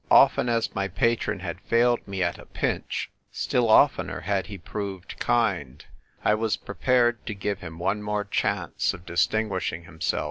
Often as my patron had failed me at a pinch, still oftener had he proved kind ; I was prepared to give him one more chance of distinguishing him self.